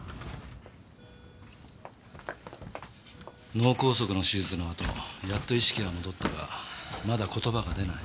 脳梗塞の手術のあとやっと意識が戻ったがまだ言葉が出ない。